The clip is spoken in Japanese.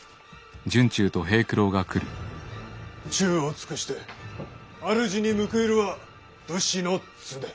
忠を尽くして主に報いるは武士の常。